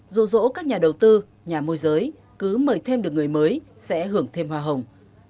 dù dỗ các nhà đầu tư nhà môi giới cứ mời thêm được người mới sẽ hưởng thêm hoa hồng